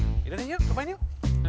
ridwan yuk coba ini yuk